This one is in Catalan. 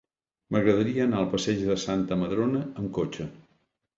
M'agradaria anar al passeig de Santa Madrona amb cotxe.